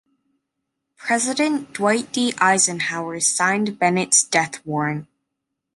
President Dwight D. Eisenhower signed Bennett's death warrant.